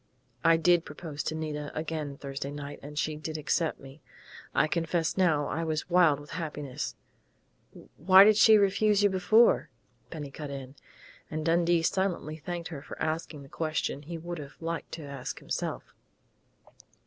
I did propose to Nita again Thursday night, and she did accept me. I confess now I was wild with happiness " "Why did she refuse you before?" Penny cut in, and Dundee silently thanked her for asking the question he would have liked to ask himself.